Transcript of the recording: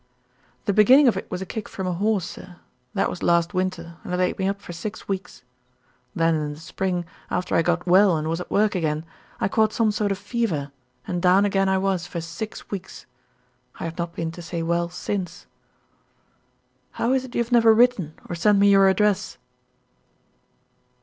"The beginning of it was a kick from a horse, sir. That was last winter, and it laid me up for six weeks. Then, in the spring, after I got well and was at work again, I caught some sort of fever, and down again I was for six weeks. I have not been to say well since." "How is it you have never written or sent me your address?"